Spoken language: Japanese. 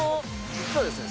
実はですね